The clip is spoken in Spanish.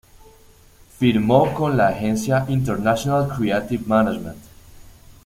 Firmó con la agencia International Creative Management.